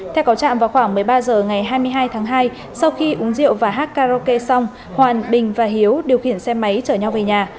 theo có trạm vào khoảng một mươi ba h ngày hai mươi hai tháng hai sau khi uống rượu và hát karaoke xong hoàn bình và hiếu điều khiển xe máy chở nhau về nhà